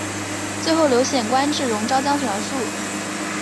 最后刘显官至戎昭将军而卒。